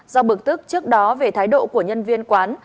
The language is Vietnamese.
do bực tức trước đó về thái độ của nhân viên quán